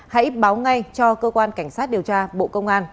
hãy báo ngay cho cơ quan cảnh sát điều tra bộ công an